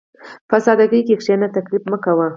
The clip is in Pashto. په سادهګۍ کښېنه، تکلف مه کوه.